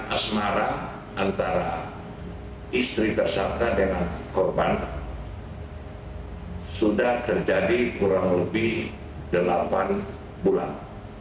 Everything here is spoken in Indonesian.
asmara antara istri tersangka dengan korban sudah terjadi kurang lebih delapan bulan